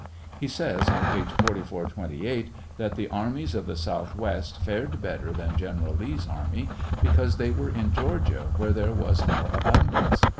He says, on page 4428, that the armies of the southwest fared better than General Lee's army, " because they were in Georgia, where there was more abundance."